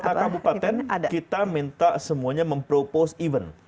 setiap kota kabupaten kita minta semuanya mempropose event